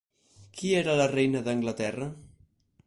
Qui era la reina d'Anglaterra?